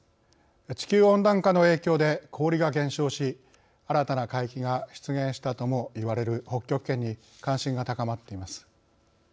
地球温暖化の影響で氷が減少し新たな海域が出現したともいわれる北極圏に関心が高まっています。